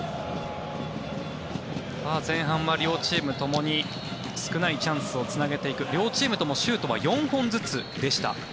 前半は両チームともに少ないチャンスをつなげていく両チームともシュートは４本ずつでした。